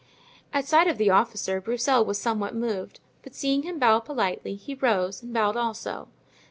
At sight of the officer Broussel was somewhat moved, but seeing him bow politely he rose and bowed also.